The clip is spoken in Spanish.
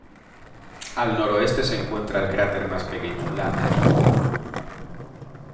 Al noroeste se encuentra el cráter más pequeño Lander.